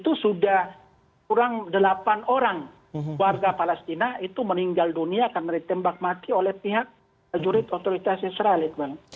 itu sudah kurang delapan orang warga palestina itu meninggal dunia karena ditembak mati oleh pihak jurid otoritas israel